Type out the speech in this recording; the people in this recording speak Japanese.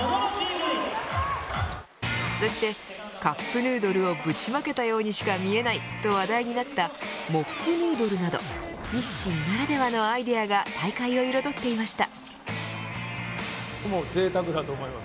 そしてカップヌードルをぶちまけたようにした見えないと話題になったモップヌードルなど日清ならではのアイデアが大会を彩っていました。